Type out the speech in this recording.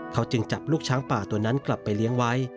เขาจึงจับลูกช้างป่าตัวนั้นกลับไปเลี้ยงไว้